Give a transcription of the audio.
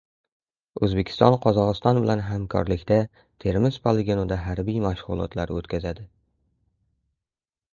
O‘zbekiston Qozog‘iston bilan hamkorlikda “Termiz” poligonida harbiy mashg‘ulotlar o‘tkazadi